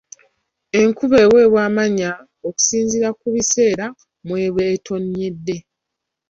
Enkuba eweebwa amannya okusinziira ku biseera mweba etonnyedde.